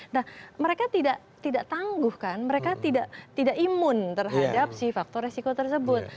nah mereka tidak tangguh kan mereka tidak imun terhadap si faktor resiko tersebut